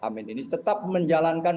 amin ini tetap menjalankan